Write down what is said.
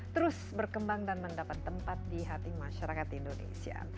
terus berkembang dan mendapat tempat di hati masyarakat indonesia